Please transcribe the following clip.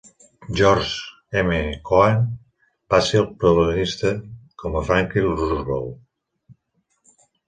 George M. Cohan va ser el protagonista com a Franklin Roosevelt.